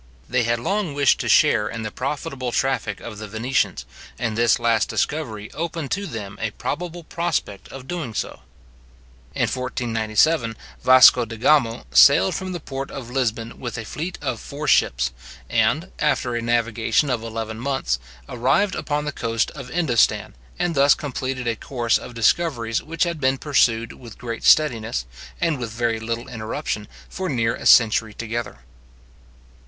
They had long wished to share in the profitable traffic of the Venetians, and this last discovery opened to them a probable prospect of doing so. In 1497, Vasco de Gamo sailed from the port of Lisbon with a fleet of four ships, and, after a navigation of eleven months, arrived upon the coast of Indostan; and thus completed a course of discoveries which had been pursued with great steadiness, and with very little interruption, for near a century together.